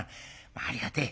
ありがてえ。